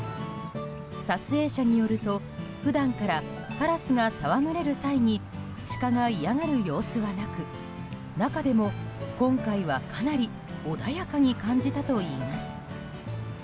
撮影者によると普段からカラスが戯れる際にシカが嫌がる様子はなく中でも、今回はかなり穏やかに感じたといいます。